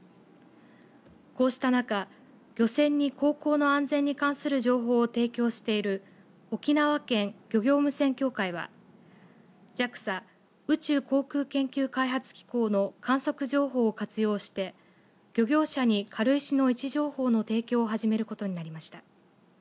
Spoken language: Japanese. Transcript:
こうした中漁船に航行の安全に関する情報を提供している沖縄県漁業無線協会はＪＡＸＡ宇宙航空研究開発機構の観測情報を活用して漁業者に軽石の位置情報の提供を始めることになりました。